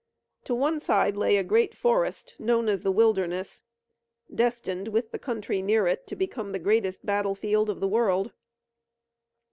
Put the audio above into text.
To one side lay a great forest, known as the Wilderness, destined, with the country near it, to become the greatest battlefield of the world.